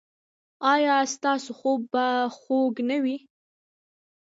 ایا ستاسو خوب به خوږ نه وي؟